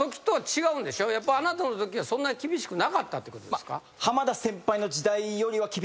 あなたのときはそんなに厳しくなかったってことですか？